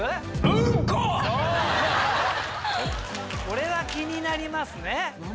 これは気になりますね。